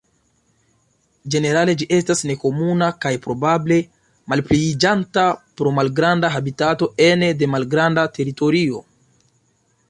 Ĝenerale ĝi estas nekomuna kaj probable malpliiĝanta pro malgranda habitato ene de malgranda teritorio.